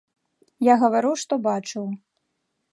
Я гавару, што бачыў.